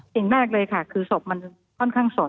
สิ่งแรกเลยค่ะคือศพมันค่อนข้างสด